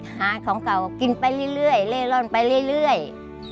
หาของเก่ากินไปเรียกว่าน้องสาวเก็บของเก่ากับน้องสาว